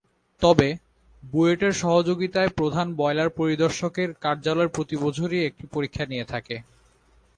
তবে, বুয়েটের সহযোগিতায় প্রধান বয়লার পরিদর্শকের কার্যালয় প্রতিবছরই একটি পরীক্ষা নিয়ে থাকে।